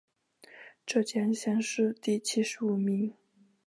浙江乡试第七十五名。